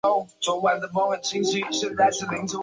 梵本已失。